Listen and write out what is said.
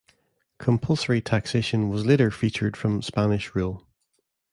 Compulsory taxation was later featured from Spanish rule.